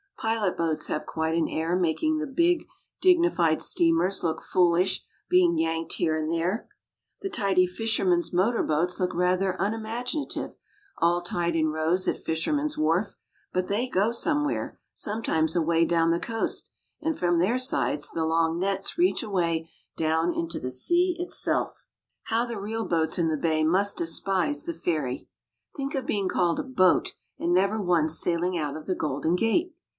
Pilot boats have quite an air making the big, dignified steamers look foolish being yanked here and there. The tidy fisherman's motor boats look rather unimaginative, all tied in rows at Fisherman's Wharf, but they go somewhere, sometimes away down the coast and from their sides the long nets reach away down into the sea itself. How the real boats in the bay must despise the ferry. Think of being called a boat and never once sailing out of the Golden Gate.